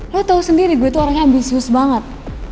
lo tau sendiri gue tuh orangnya ambisius banget